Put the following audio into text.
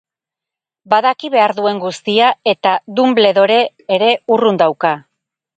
Badaki behar duen guztia eta Dumbledore ere urrun dauka.